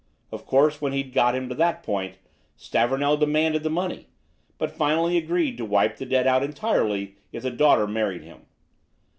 Of course, when he'd got him to that point, Stavornell demanded the money, but finally agreed to wipe the debt out entirely if the daughter married him.